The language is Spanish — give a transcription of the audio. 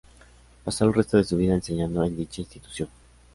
Pasó el resto de su vida enseñando en dicha institución.